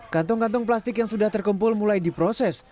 kantong kantong plastik yang sudah terkumpul mulai diproses